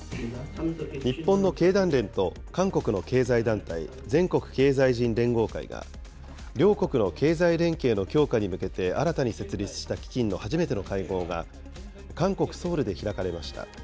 日本の経団連と韓国の経済団体、全国経済人連合会が、両国の経済連携の強化に向けて新たに設立した基金の初めての会合が、韓国・ソウルで開かれました。